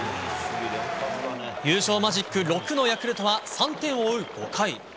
優勝マジック６のヤクルトは３点を追う５回。